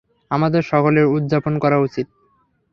আমাদের সকলের উদযাপন করা উচিত।